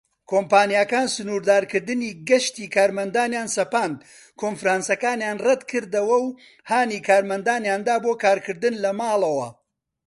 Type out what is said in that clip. کۆمپانیاکان سنوردارکردنی گەشتی کارمەندانیان سەپاند، کۆنفرانسەکانیان ڕەتکردەوە، و هانی کارمەندانیاندا بۆ کارکردن لە ماڵەوە.